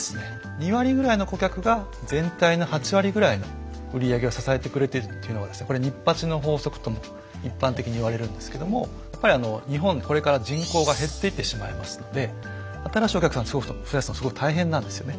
２割ぐらいの顧客が全体の８割ぐらいの売上を支えてくれているというのはこれニッパチの法則とも一般的に言われるんですけどもやっぱり日本これから人口が減っていってしまいますので新しいお客さんを増やすのはすごい大変なんですよね。